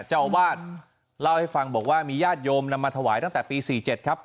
เจ้าอาวาสเล่าให้ฟังบอกว่ามีญาติโยมนำมาถวายตั้งแต่ปี๔๗ครับ